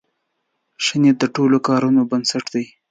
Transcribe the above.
ښه نیت د ټولو کارونو بنسټ دی.